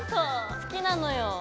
好きなのよ。